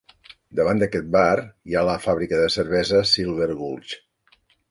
Davant d'aquest bar hi ha la fàbrica de cervesa Silver Gulch.